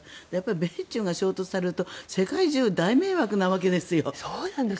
米中が衝突されると世界中大迷惑なわけですよ。